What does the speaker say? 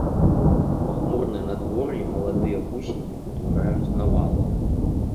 У пахмурнае надвор'е маладыя вусені ўтвараюць навалы.